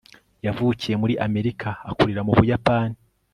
yavukiye muri amerika akurira mu buyapani